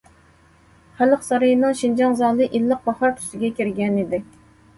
خەلق سارىيىنىڭ شىنجاڭ زالى ئىللىق باھار تۈسىگە كىرگەنىدى.